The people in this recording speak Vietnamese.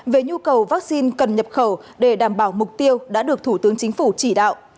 về nhu cầu vaccine cần nhập khẩu để đảm bảo mục tiêu đã được thủ tướng chính phủ chỉ đạo